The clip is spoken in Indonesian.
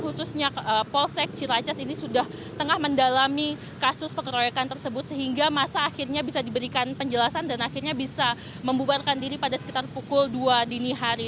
khususnya polsek ciracas ini sudah tengah mendalami kasus pengeroyokan tersebut sehingga masa akhirnya bisa diberikan penjelasan dan akhirnya bisa membubarkan diri pada sekitar pukul dua dini hari